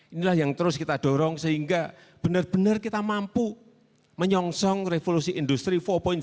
inilah yang terus kita dorong sehingga benar benar kita mampu menyongsong revolusi industri empat